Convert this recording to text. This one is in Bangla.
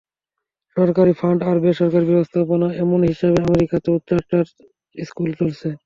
সরকারি ফান্ড আর বেসরকারি ব্যবস্থাপনা, এমন হিসাবে আমেরিকাতেও চার্টার স্কুল চলছে।